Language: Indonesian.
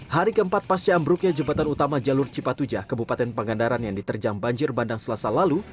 hari keempat pasca ambruknya jembatan utama jalur cipatujah kabupaten pangandaran yang diterjang banjir bandang selasa lalu